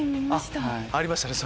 ありましたね